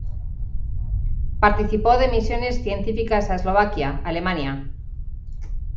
Participó de misiones científicas a Eslovaquia, Alemania.